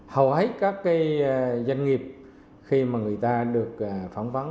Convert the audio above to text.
hầu hết các doanh nghiệp khi mà người ta được phỏng vấn